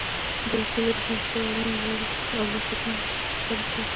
وکیل د رسمیت لپاره اړینې لوړې او لاسلیکونه ترسره کړل.